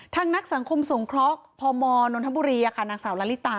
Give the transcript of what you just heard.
ทางนักสังคมสงครอบฟื้นฟูสมรรถภาพคนพิการพมนทบุรีอาคานางสาวราลิตา